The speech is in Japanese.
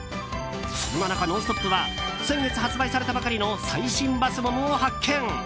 そんな中、「ノンストップ！」は先月発売されたばかりの最新バスボムを発見。